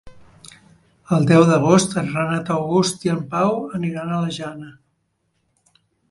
El deu d'agost en Renat August i en Pau aniran a la Jana.